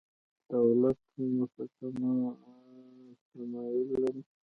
دولت هم ورته تمایل لري.